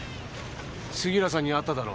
杉浦さんに会っただろ。